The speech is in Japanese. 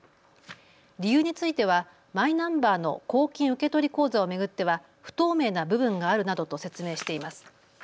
理由についてはマイナンバーの公金受取口座を巡っては不透明な部分があるなどと説明しています。